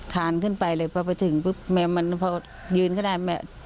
คานขึ้นไปเลยไปไปถึงพึ่บแมวมันพอยืนก็ได้